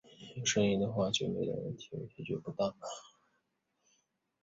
千叶县千叶市出身。